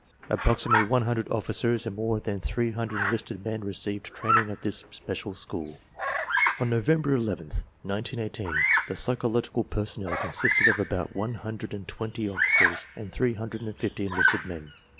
Approximately one hundred officers and more than three hundred enlisted men received training at this gjgecial school. ' On November 11, 1918, the psychological personnel consisted of about one hundred and twenty officers and three hundred and ^ fifty enlisted men.